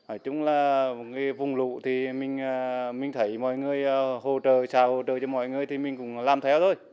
ở trong là vùng lũ thì mình thấy mọi người hỗ trợ xài hỗ trợ cho mọi người thì mình cũng làm theo thôi